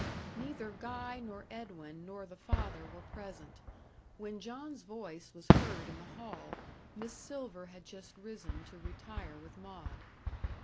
Neither Guy nor Edwin, nor the father were present. When John's voice was heard in the hall, Miss Silver had just risen to retire with Maud.